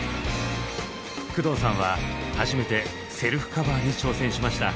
工藤さんは初めてセルフカバーに挑戦しました。